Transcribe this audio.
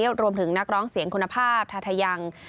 รวมถึงนักร้องเสียงคุณภาพทาทะยัง